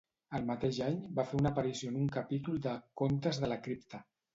El mateix any, va fer una aparició en un capítol de "Contes de la Cripta".